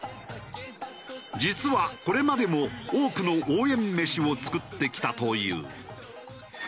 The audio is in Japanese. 実はこれまでも多くの応援メシを作ってきたという。